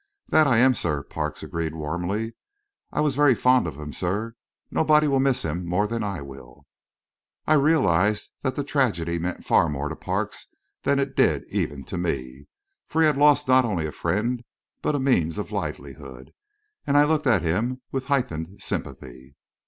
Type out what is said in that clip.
"That I am, sir," Parks agreed, warmly. "I was very fond of him, sir; nobody will miss him more than I will." I realised that the tragedy meant far more to Parks than it did even to me, for he had lost not only a friend, but a means of livelihood, and I looked at him with heightened sympathy.